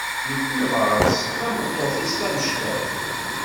Yiwi ɣer-s tameṭṭut-is tamecṭuḥt.